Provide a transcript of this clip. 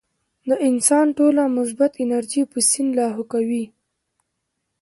د انسان ټوله مثبت انرجي پۀ سين لاهو کوي -